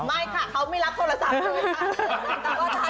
ไม่ค่ะเขาไม่รับโทรศัพท์คืนค่ะ